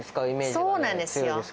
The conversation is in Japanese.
そうなんですよ。